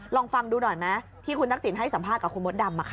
ลองฟังดูหน่อยไหมที่คุณทักษิณให้สัมภาษณ์กับคุณมดดำ